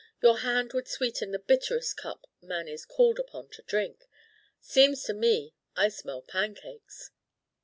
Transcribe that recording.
Your hand would sweeten the bitterest cup man is called upon to drink. Seems to me I smell pancakes."